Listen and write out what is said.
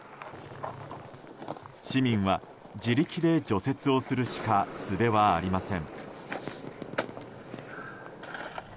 市民は自力で除雪をするしかすべはありません。